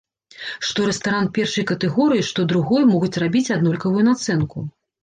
Што рэстаран першай катэгорыі, што другой могуць рабіць аднолькавую нацэнку.